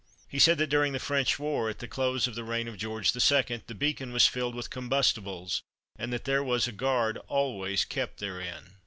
He said that during the French war, at the close of the reign of George the Second, the Beacon was filled with combustibles, and that there was a guard always kept therein.